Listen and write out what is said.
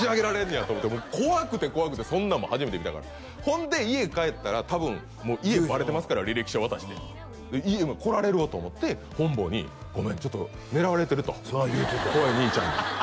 ねやと思ってもう怖くて怖くてそんなんも初めて見たからほんで家へ帰ったら多分もう家バレてますから履歴書渡して家に来られると思って本坊に「ごめんちょっと狙われてる」と「怖い兄ちゃんに」